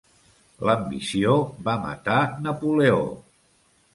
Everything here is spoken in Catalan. L'ambició va matar Napoleó.